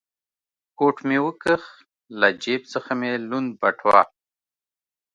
کوټ مې و کښ، له جېب څخه مې لوند بټوه.